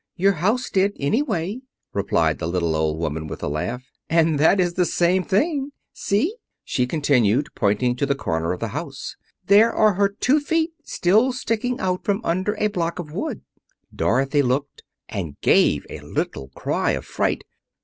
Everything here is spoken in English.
"Your house did, anyway," replied the little old woman, with a laugh, "and that is the same thing. See!" she continued, pointing to the corner of the house. "There are her two feet, still sticking out from under a block of wood." Dorothy looked, and gave a little cry of fright.